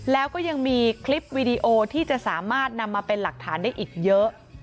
แล้วก็ยังมีคลิปวีดีโอที่จะสามารถนำมาเป็นหลักฐานได้อีกเยอะ